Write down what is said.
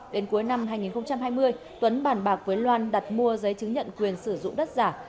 đến cuối năm hai nghìn hai mươi tuấn bàn bạc với loan đặt mua giấy chứng nhận quyền sử dụng đất giả